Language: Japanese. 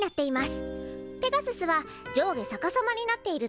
ペガススは上下逆さまになっているところですね。